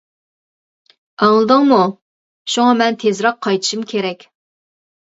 ئاڭلىدىڭمۇ؟ شۇڭا مەن تېزرەك قايتىشىم كېرەك!